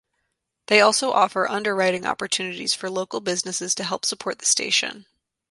They also offer underwriting opportunities for local businesses to help support the station.